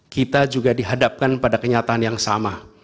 kita juga dihadapkan pada kenyataan yang sama